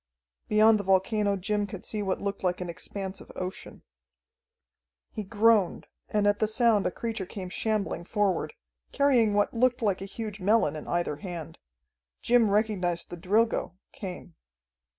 Beyond the volcano Jim could see what looked like an expanse of ocean. He groaned, and at the sound a creature came shambling forward, carrying what looked like a huge melon in either hand. Jim recognized the Drilgo, Cain.